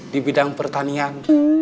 di bidang pertanian